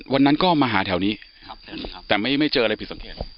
วันนั้นก็มาหาแถวนี้แต่ไม่เจออะไรผิดสังเกต